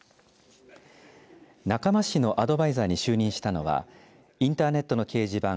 中間市のアドバイザーに就任したのはインターネットの掲示板２